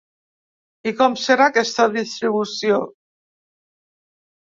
I com serà aquesta distribució?